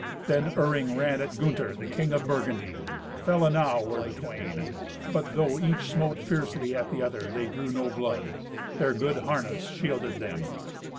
Then Iring ran at Gunther, the King of Burgundy. Fell enow were the twain. But though each smote fiercely at the other, they drew no blood. Their good harness shielded them.